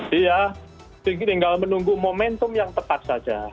dia tinggal menunggu momentum yang tepat saja